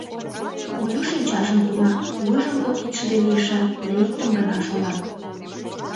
Олю шинчажым кума, вуйжым кок кидше дене иша да иктым гына шона.